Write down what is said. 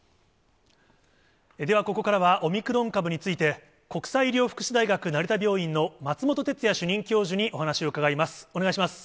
ではここからは、オミクロン株について、国際医療福祉大学成田病院の松本哲哉主任教授にお話を伺います。